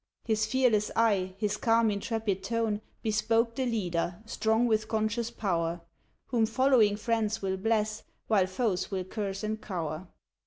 His fearless eye, his calm intrepid tone, Bespoke the leader, strong with conscious power, Whom following friends will bless, while foes will curse and cower.